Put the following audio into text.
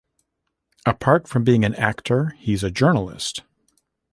Apart from being an actor, he’s a journalist.